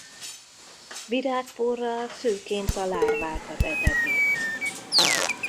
Virágporral főként a lárvákat eteti.